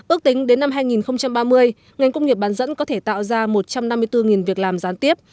ước tính đến năm hai nghìn ba mươi ngành công nghiệp bán dẫn có thể tạo ra một trăm năm mươi bốn việc làm gián tiếp